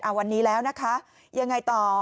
วันนี้แล้วนะคะยังไงต่อ